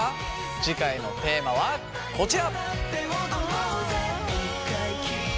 次回のテーマはこちら！